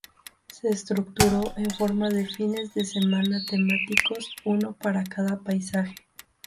Se estructuró en forma de fines de semana temáticos, uno para cada paisaje.